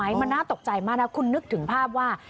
มันน่าตกใจมากนะคุณนึกถึงภาพว่า